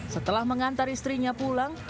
setelah mengantar istrinya pulang